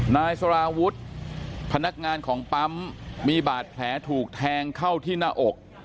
นายสาราวุฒิพนักงานของปั๊มมีบาดแผลถูกแทงเข้าที่หน้าอก